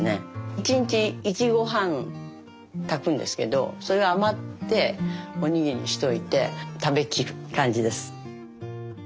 １日１合半炊くんですけどそれが余っておにぎりにしといて食べきる感じです。